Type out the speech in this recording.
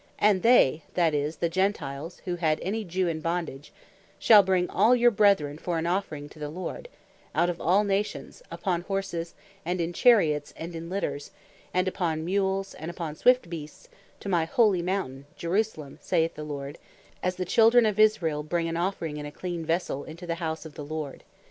"And they," (that is, the Gentiles who had any Jew in bondage) "shall bring all your brethren, for an offering to the Lord, out of all nations, upon horses, and in charets, and in litters, and upon mules, and upon swift beasts, to my holy mountain, Jerusalem, saith the Lord, as the Children of Israel bring an offering in a clean vessell into the House of the Lord.